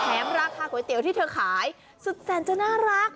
ราคาก๋วยเตี๋ยวที่เธอขายสุดแสนจะน่ารัก